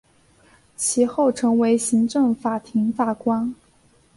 其后成为行政法庭法官。